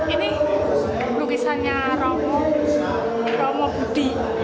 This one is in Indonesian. ini lukisannya romo budi